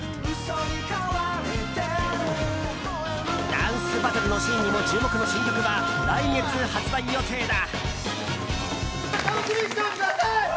ダンスバトルのシーンにも注目の新曲は、来月発売予定だ。